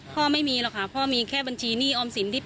พ่อไม่มีแล้วก็แค่บัญชีศมี๕๐๐๐๐บาท